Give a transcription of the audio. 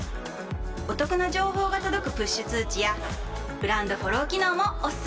お得な情報が届くプッシュ通知やブランドフォロー機能もおすすめ！